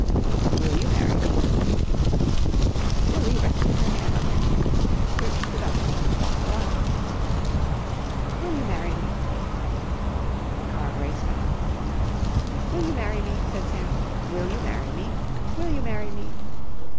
"Will you marry me?" Billie rested her hand on her chin and searched the darkness with thoughtful eyes. "Will you marry me?" The car raced on. "Will you marry me?" said Sam. "Will you marry me? Will you marry me?"